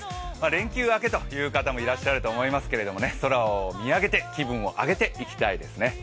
連休明けという方もいらっしゃると思いますけど、空を見上げて気分を上げていきたいですね。